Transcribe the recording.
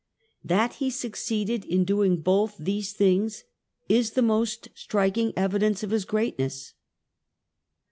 • That he succeeded in doing both these things is the most striking evidence of his greatness.